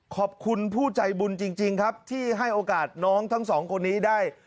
ขอบคุณผู้ใจบุญจริงครับที่ให้โอกาสน้องทั้งสองคนนี้ได้